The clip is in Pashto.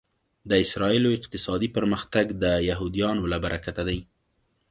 د اسرایلو اقتصادي پرمختګ د یهودیانو له برکته دی